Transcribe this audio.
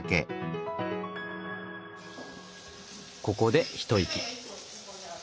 ここで一息。